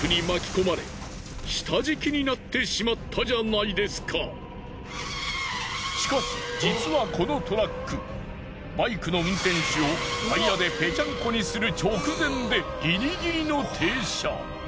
なんとしかし実はこのトラックバイクの運転手をタイヤでぺちゃんこにする直前でギリギリの停車。